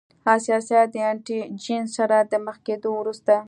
حساسیت د انټي جېن سره د مخ کیدو وروسته.